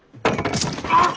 あっ！